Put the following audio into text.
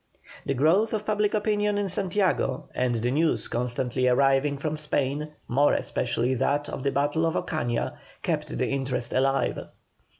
The growth of public opinion in Santiago, and the news constantly arriving from Spain, more especially that of the battle of Ocaña, kept the interest alive.